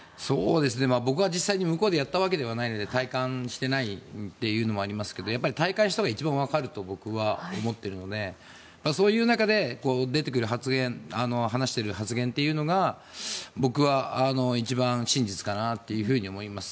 僕は実際に向こうでやったわけじゃないので体感してないというのもありますけど体感したほうが一番分かると僕は思っているのでそういう中で出てくる発言というのが僕は一番真実かなというふうに思います。